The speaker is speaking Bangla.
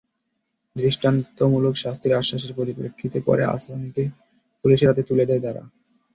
দৃষ্টান্তমূলক শাস্তির আশ্বাসের পরিপ্রেক্ষিতে পরে আসামিকে পুলিশের হাতে তুলে দেয় তারা।